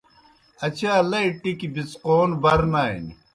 اچا لئی ٹِکیْ بِڅقون بر نانیْ۔